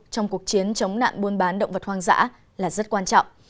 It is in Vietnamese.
trong cuộc chiến chống nạn buôn bán động vật hoang dã là rất quan trọng